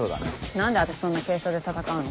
何で私そんな軽装で戦うの。